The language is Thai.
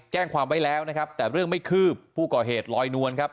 แจ้งความไว้แล้วนะครับแต่เรื่องไม่คืบผู้ก่อเหตุลอยนวลครับ